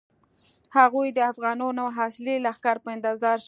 هغوی د افغانانو د اصلي لښکر په انتظار شول.